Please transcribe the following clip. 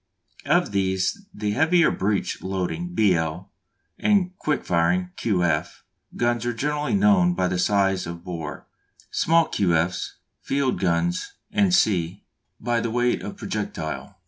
Of these the heavier breech loading (B. L.) and quick firing (Q. F.) guns are generally known by the size of bore; small Q. F.'s, field guns, &c., by the weight of projectile.